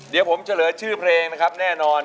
เดี๋ยวผมเฉลยชื่อเพลงนะครับแน่นอน